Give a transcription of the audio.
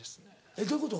えっどういうこと？